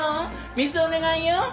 水お願いよ！